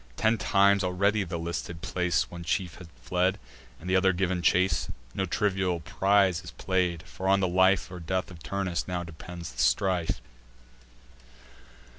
Ten times already round the listed place One chief had fled, and t' other giv'n the chase: No trivial prize is play'd; for on the life Or death of Turnus now depends the strife.